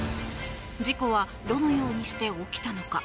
事故はどのようにして起きたのか。